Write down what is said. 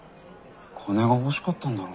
金が欲しかったんだろ。